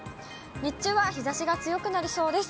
日中は日ざしが強くなりそうです。